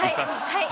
はい！